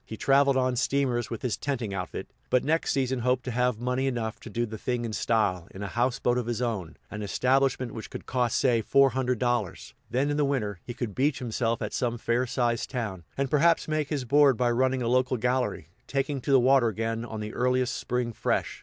He traveled on steamers with his tenting outfit, but next season hoped to have money enough to "do the thing in style," in a houseboat of his own, an establishment which would cost say four hundred dollars; then, in the winter, he could beach himself at some fair sized town, and perhaps make his board by running a local gallery, taking to the water again on the earliest spring "fresh."